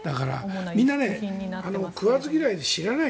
みんな食わず嫌いで知らない。